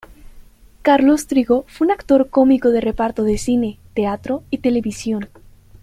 Carlos Trigo fue un actor cómico de reparto de cine, teatro y televisión.